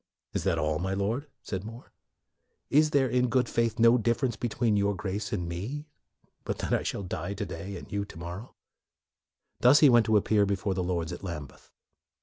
''" Is that all, my Lord?" said More. " Is there, in good faith, no more differ ence between your Grace and me, but that I shall die to day and you to morrow?" Thus he went to appear before the Lords at Lambeth.